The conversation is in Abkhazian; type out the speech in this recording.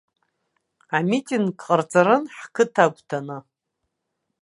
Амитинг ҟарҵарын ҳқыҭа агәҭаны.